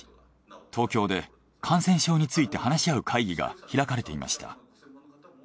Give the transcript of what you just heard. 東京で感染症について話し合う会議が開かれていました。